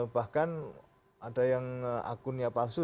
bahkan ada yang akunnya palsu